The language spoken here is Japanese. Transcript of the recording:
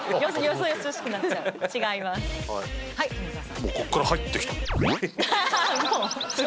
もうこっから入ってきたもう？